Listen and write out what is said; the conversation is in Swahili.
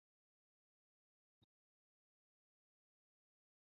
akifuatilia process ya yakuweza kwenda na na huyo